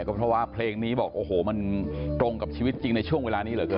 ก็เพราะว่าเพลงนี้บอกโอ้โหมันตรงกับชีวิตจริงในช่วงเวลานี้เหลือเกิน